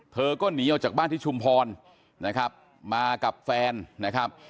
เธอก็หนีออกจากบ้านที่ชุมพรนะครับมากับแฟนนะครับ